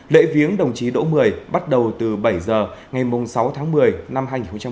lễ viếng đồng chí đỗ mười bắt đầu từ bảy giờ ngày sáu tháng một mươi năm hai nghìn một mươi chín